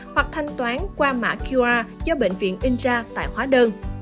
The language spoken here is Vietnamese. hoặc thanh toán qua mã qr do bệnh viện in ra tại hóa đơn